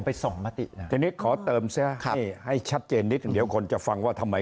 มีสองมาติขอเติมเสียให้ชัดเจนนิดเดี๋ยวคนจะฟังว่าทำไม